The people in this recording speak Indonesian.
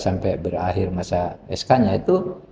sampai berakhir masa sk nya itu